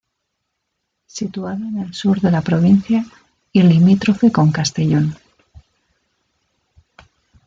Situada en el sur de la provincia y limítrofe con Castellón.